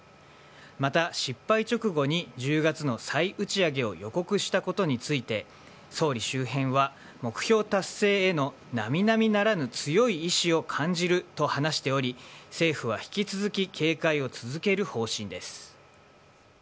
また失敗直後に１０月の再打ち上げを予告したことについて総理周辺は目標達成への並々ならぬ強い意志を感じると話しており政府は引き続き警戒を続ける方針です。